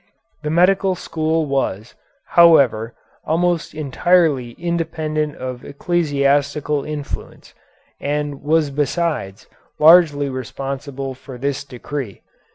The medical school was, however, almost entirely independent of ecclesiastical influence, and was besides largely responsible for this decree.